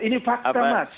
ini fakta mas